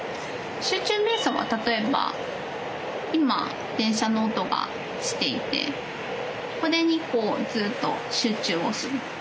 集中瞑想は例えば今電車の音がしていてこれにずっと集中をする。